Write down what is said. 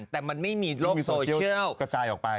แต่มันไม่มีโลกโซเชียล